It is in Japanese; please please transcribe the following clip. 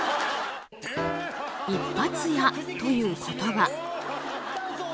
一発屋という言葉。